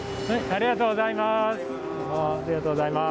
ありがとうございます。